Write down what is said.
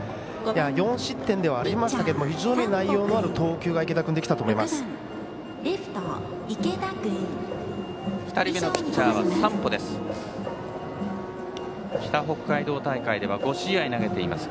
４失点ではありますが非常に内容のある投球が池田君、できたと思います。